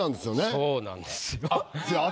そうなんですよ。